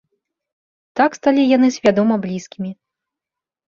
Так сталі яны свядома блізкімі.